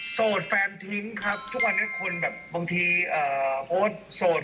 โดดแฟนทิ้งครับทุกวันนี้คนแบบบางทีโพสต์โสด